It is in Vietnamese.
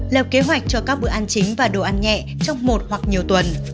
lập kế hoạch cho các bữa ăn chính và đồ ăn nhẹ trong một hoặc nhiều tuần